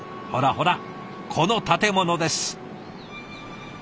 ほらほらこの建物です。